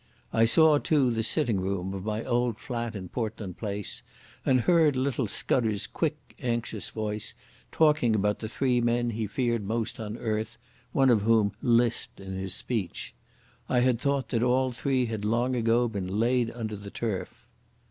I saw, too, the sitting room of my old flat in Portland Place and heard little Scudder's quick, anxious voice talking about the three men he feared most on earth, one of whom lisped in his speech. I had thought that all three had long ago been laid under the turf....